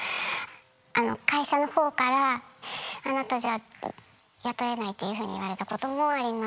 あの会社の方から「あなたじゃ雇えない」っていうふうに言われたこともあります。